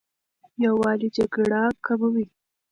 یووالی جګړه کموي.